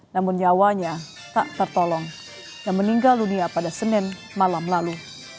namun nyawanya tak tertolong dan meninggal dunia pada senin malam lalu